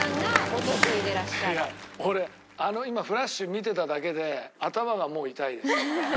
俺あの今フラッシュ見てただけで頭がもう痛いです。